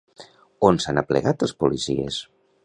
On s'han aplegat els policies?